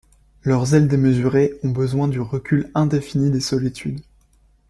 Leurs ailes démesurées ont besoin du recul indéfini des solitudes.